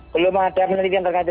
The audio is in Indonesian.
belum ada penelitian terkait